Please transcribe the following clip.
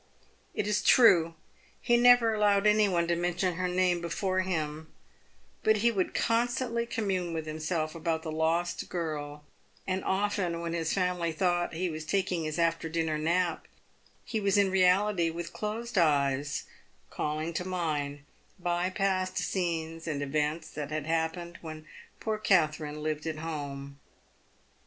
It is true he never allowed any one to mention her name before him, but he would constantly commune with himself about the lost girl, and often when his family thought he was taking his after dinner nap, he was in reality, with closed eyes, calling to mind by past scenes and events that had happened when poor Katherine lived at home.